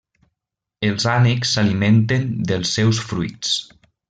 Els ànecs s'alimenten dels seus fruits.